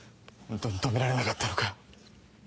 ホントにとめられなかったのか。